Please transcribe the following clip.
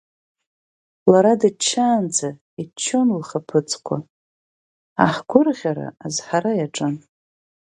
Лара дыччаанӡа, иччон лхаԥыцкәа, ҳа ҳгәырӷьара азҳара иаҿын.